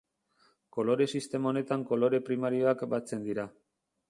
Kolore sistema honetan kolore primarioak batzen dira.